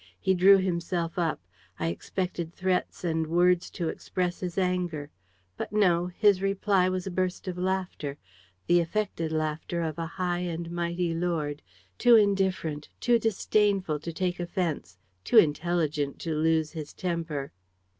He drew himself up. I expected threats and words to express his anger; but no, his reply was a burst of laughter, the affected laughter of a high and mighty lord, too indifferent, too disdainful to take offense, too intelligent to lose his temper.